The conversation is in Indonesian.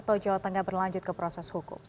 atau jawatannya berlanjut ke proses hukum